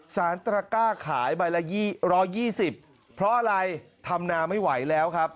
สารตระก้าขาย๑๒๐บาทเพราะอะไรทำนาไม่ไหวแล้วครับ